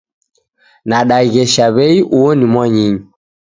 Nadaghesha w'ei uo ni mwanyinyu